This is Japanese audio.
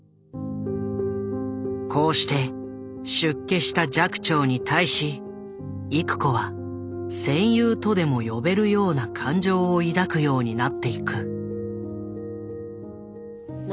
こうして出家した寂聴に対し郁子は戦友とでも呼べるような感情を抱くようになっていく。